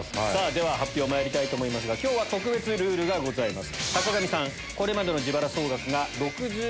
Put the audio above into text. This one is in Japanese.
では発表まいりたいと思いますが今日は特別ルールがございます。